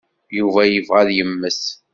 Yuba yebɣa ad yemmet.